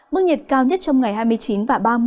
mức nhiệt cao nhất trong ngày hai mươi chín và ba mươi